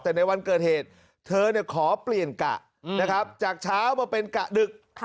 แต่ในวันเกิดเหตุเธอขอเปลี่ยนกะนะครับจากเช้ามาเป็นกะดึก